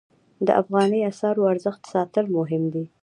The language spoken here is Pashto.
د افغانۍ اسعارو ارزښت ساتل مهم دي